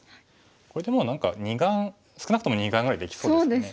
これでもう何か２眼少なくとも２眼ぐらいできそうですね。